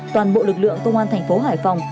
toàn bộ lực lượng công an thành phố hải phòng